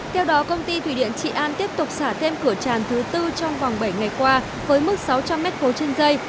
theo đó công ty thủy điện trị an tiếp tục xả thêm cửa tràn thứ tư trong vòng bảy ngày qua với mức sáu trăm linh m ba trên dây